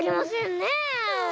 ねえ。